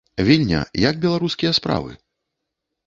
Вільня, як беларускія справы?